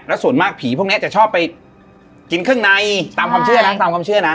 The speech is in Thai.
ส่วนมากผีพวกนี้จะชอบไปกินเครื่องในตามความเชื่อนะตามความเชื่อนะ